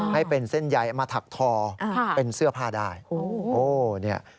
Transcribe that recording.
ให้เป็นเส้นใยมาถักทอเป็นเสื้อผ้าได้